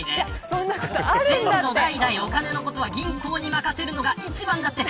先祖代々、お金のことは銀行に任せるのが一番だって。